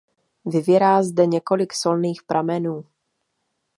Vyvěrá zde několik solných pramenů.